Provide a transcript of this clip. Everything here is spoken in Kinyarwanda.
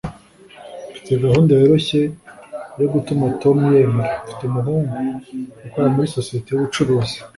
Mfite gahunda yoroshye yo gutuma Tom yemera. Mfite umuhungu, ukora muri societe yubucuruzi.